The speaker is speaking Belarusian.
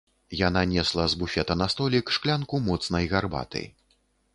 Яна несла з буфета на столік шклянку моцнай гарбаты.